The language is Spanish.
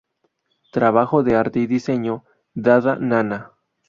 Trabajo de arte y diseño: Dada Nana.